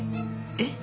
えっ？